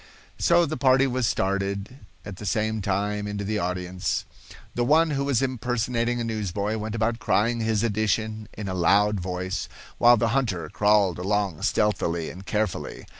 So the party was started at the same time into the audience. The one who was impersonating a newsboy went about crying his edition in a loud voice; while the hunter crawled along stealthily and carefully.